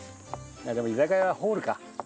でも居酒屋はホールか。